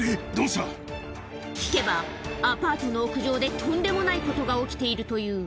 聞けば、アパートの屋上でとんでもないことが起きているという。